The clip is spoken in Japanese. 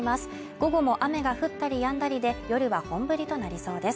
午後も雨が降ったりやんだりで夜は本降りとなりそうです